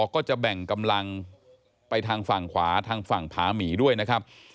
ก็จะแบ่งกำลังไปทางฝั่งขวาทางฝั่งผาหมีด้วยนะครับ